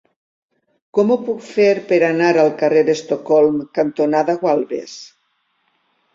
Com ho puc fer per anar al carrer Estocolm cantonada Gualbes?